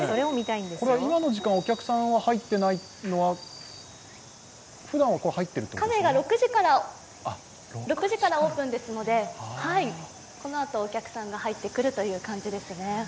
今の時間、お客さんが入ってないっていうのは６時からオープンですのでこのあと、お客さんが入ってくるという感じです。